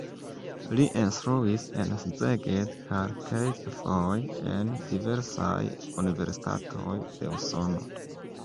Li instruis en Szeged kaj kelkfoje en diversaj universitatoj de Usono.